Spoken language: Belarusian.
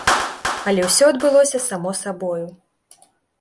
Але ўсё адбылося само сабою.